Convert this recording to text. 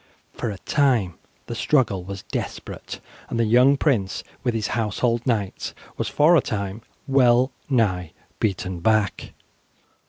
For a time the struggle was desperate, and the young prince, with his household knights, was for a time well nigh beaten back.